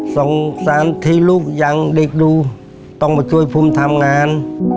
สงสารที่ลูกยังเด็กดูต้องมาช่วยผมทำงาน